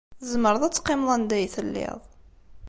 Tzemreḍ ad teqqimeḍ anda ay telliḍ.